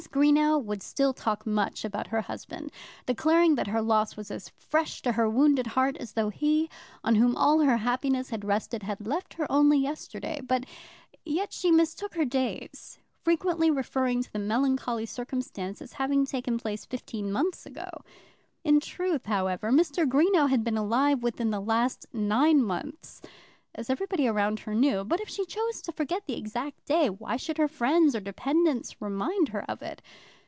Greenow would still talk much about her husband, declaring that her loss was as fresh to her wounded heart, as though he, on whom all her happiness had rested, had left her only yesterday; but yet she mistook her dates, frequently referring to the melancholy circumstance, as having taken place fifteen months ago. In truth, however, Mr. Greenow had been alive within the last nine months, as everybody around her knew. But if she chose to forget the exact day, why should her friends or dependents remind her of it?